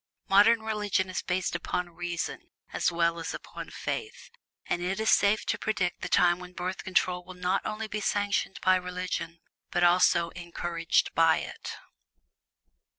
Modern religion is based upon Reason as well as upon Faith, and it is safe to predict the time when Birth Control will not only be sanctioned by "religion," but also encouraged by it.